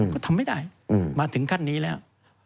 ก็ทำไม่ได้มาถึงขั้นนี้แล้ว